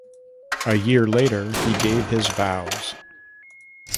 A year later he gave his vows.